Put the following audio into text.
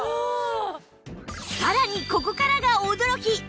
さらにここからが驚き！